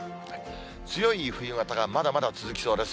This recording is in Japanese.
強い冬型がまだまだ続きそうです。